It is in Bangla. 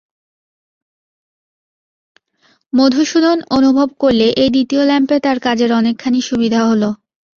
মধুসূদন অনুভব করলে, এই দ্বিতীয় ল্যাম্পে তার কাজের অনেকখানি সুবিধা হল।